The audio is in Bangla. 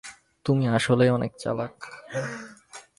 তুমি আসলেই অনেক চালাক।